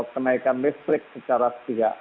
kenaikan listrik secara pihak